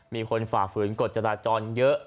มีคนฝากฝืนกฎจราจรเยอะ